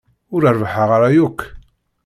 Ur rebbḥeɣ ara yakk.